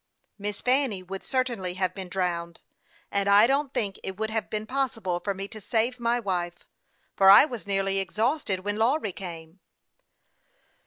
" Miss Fanny would certainly have been drowned ; and I don't think it would have been possible for me to save my wife, for I was nearly exhausted when Lawry came.